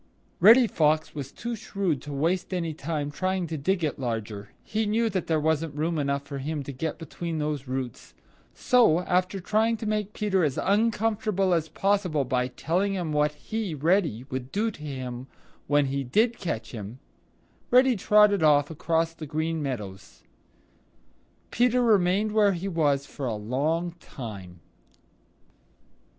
Reddy Fox was too shrewd to waste any time trying to dig it larger. He knew there wasn't room enough for him to get between those roots. So, after trying to make Peter as uncomfortable as possible by telling him what he, Reddy, would do to him when he did catch him, Reddy trotted off across the Green Meadows. Peter remained where he was for a long time.